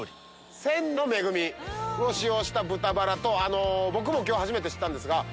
千の恵を使用した豚バラと僕も今日初めて知ったんですが。